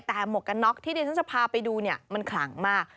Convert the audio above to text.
แต่หมวกกันน็อคที่เดชน์จะพาไปดูมันขลางมาก